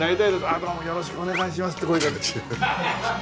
ああどうもよろしくお願いしますって。